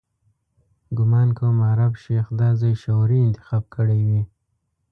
ګومان کوم عرب شیخ دا ځای شعوري انتخاب کړی وي.